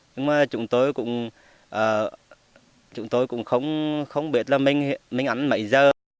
nhưng mà chúng tôi cũng không biết là mình ăn mấy giờ